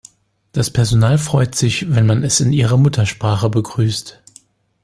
Das Personal freut sich, wenn man es in ihrer Muttersprache begrüßt.